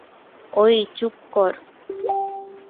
ওই, চুপ কর।